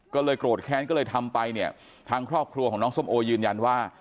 ก็เลยโกรธแค้นก็เลยทำไปเนี่ยทางครอบครัวของน้องส้มโอยืนยันว่า